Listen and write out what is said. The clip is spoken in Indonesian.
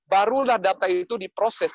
barulah data itu diproses